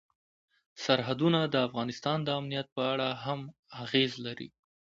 سرحدونه د افغانستان د امنیت په اړه هم اغېز لري.